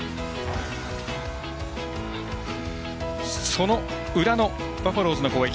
その裏のバファローズの攻撃。